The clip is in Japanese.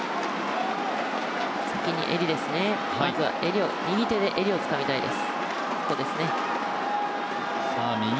先に襟ですね、まずは、右手で襟をつかみたいです。